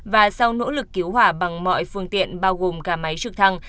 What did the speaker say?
và sau nỗ lực cứu hỏa bằng mọi phương tiện bao gồm cả máy trực thăng